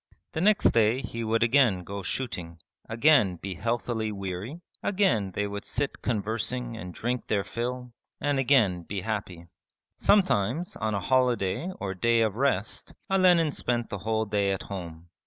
The next day he would again go shooting, again be healthily weary, again they would sit conversing and drink their fill, and again be happy. Sometimes on a holiday or day of rest Olenin spent the whole day at home.